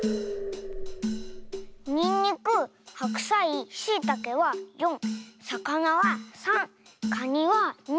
にんにくはくさいしいたけは４さかなは３カニは２。